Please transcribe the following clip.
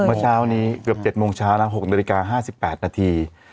เมื่อเช้านี้เกือบ๗โมงเช้านะ๖นาฬิกา๕๘นาที